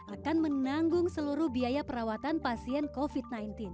akan menanggung seluruh biaya perawatan pasien covid sembilan belas